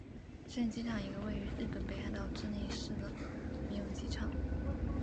稚内机场一个位于日本北海道稚内市的民用机场。